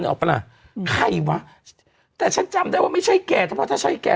ออกปะล่ะใครวะแต่ฉันจำได้ว่าไม่ใช่แกถ้าเพราะถ้าใช่แก